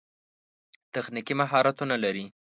تخنیکي مهارتونه لري.